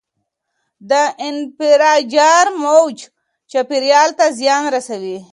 د انفجار موج چاپیریال ته زیان رسوي.